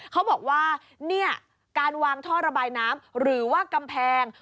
เขาบอกว่าเนี่ยการวางท่อระบายน้ำหรือว่ากำแพง